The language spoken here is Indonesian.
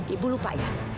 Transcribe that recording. ibu lupa ya